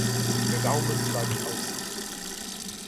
Der Daumen bleibt außen.